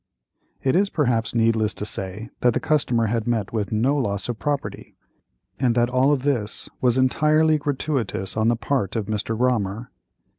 It is perhaps needless to say that the customer had met with no loss of property, and that all this was entirely gratuitous on the part of Mr. Grommer.